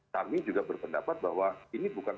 kami juga berpendapat bahwa ini bukan